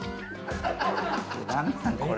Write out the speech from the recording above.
何なん、これ。